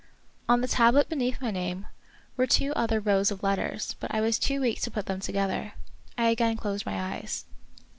On the tablet beneath my name were two other I lo The Wonderful History rows of letters, but I was too weak to put them together. I again closed my eyes.